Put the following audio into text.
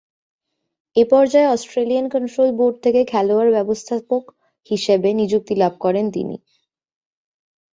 এ পর্যায়ে Australian control board থেকে খেলোয়াড়-ব্যবস্থাপক হিসেবে নিযুক্তি লাভ করেন তিনি।